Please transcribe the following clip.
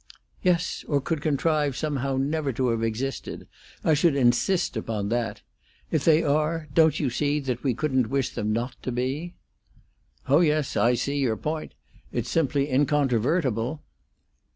"Yes; or could contrive somehow never to have existed. I should insist upon that. If they are, don't you see that we couldn't wish them not to be?" "Oh yes; I see your point; it's simply incontrovertible."